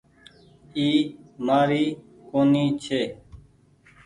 اي مآري کوڻي ڇي۔